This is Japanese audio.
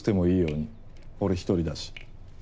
俺一人だし。